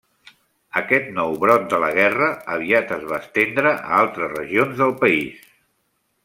Aquest nou brot de la guerra aviat es va estendre a altres regions del país.